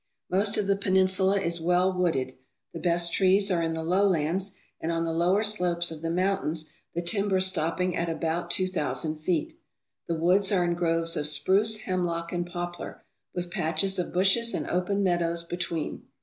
Most of the peninsula is well wooded. The best trees are in the lowlands and on the lower slopes of the moun tains, the timber stopping at about two thousand feet. The woods are in groves of spruce, hemlock, and poplar, with patches of bushes and open meadows between.